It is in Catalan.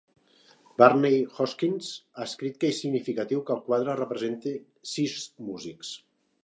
Barney Hoskyns ha escrit que és significatiu que el quadre representi sis músics.